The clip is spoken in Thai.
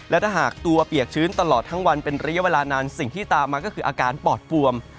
และถ้าหากตัวเปียกชื้นตลอดทั้งวันเป็นระยะเวลานานสิ่งที่ตามมาก็คืออาการปอดฟวม